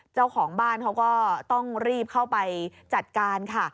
เจ้าของบ้านเขาก็ต้องรีบเข้าไปจัดการค่ะ